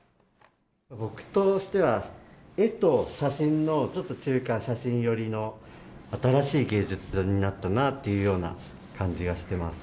僕としては絵と写真のちょっと中間、写真寄りの、新しい芸術になったなというような感じがしてます。